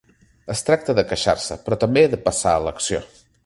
Es tracta de queixar-se, però també de passar a l’acció.